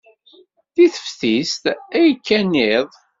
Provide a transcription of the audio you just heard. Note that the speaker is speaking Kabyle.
Deg teftist ay kkan iḍ.